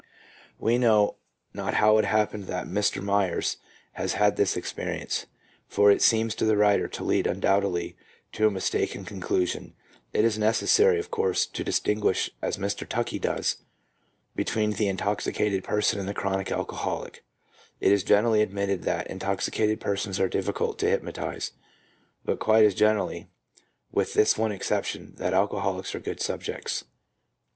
5 We know not how it happened that Mr. Myers has had this experience, for it seems to the writer to lead undoubtedly to a mistaken conclusion. It is neces sary, of course, to distinguish, as Mr. Tuckey does, between the intoxicated person and the chronic alco holic. It is generally admitted that intoxicated persons are difficult to hypnotize, but quite as generally, with this one exception, that alcoholics are good subjects.